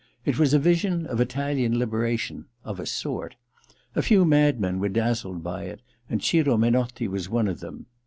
It was a vision of Italian libera tion — of a sort. A few madmen were dazzled by it, and Ciro Menotti was one of them.